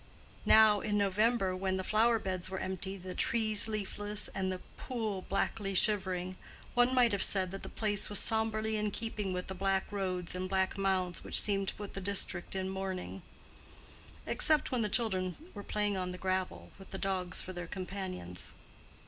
Now, in November, when the flower beds were empty, the trees leafless, and the pool blackly shivering, one might have said that the place was sombrely in keeping with the black roads and black mounds which seemed to put the district in mourning;—except when the children were playing on the gravel with the dogs for their companions.